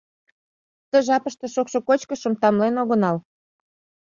Ты жапыште шокшо кочкышым тамлен огынал.